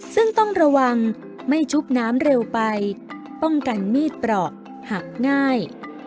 ซึ่งต้องระวังไม่ชุบน้ำเร็วไปป้องกันมีดเปราะหักง่าย